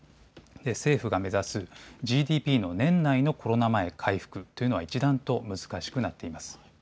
政府が目指すＧＤＰの年内のコロナ前回復というのは一段と難しくなっています。